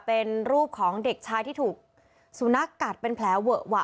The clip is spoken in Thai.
เป็นรูปของเด็กชายที่ถูกสุนัขกัดเป็นแผลเวอะวะ